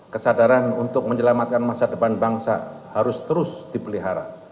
kesadaran untuk menyelamatkan masa depan bangsa harus terus dipelihara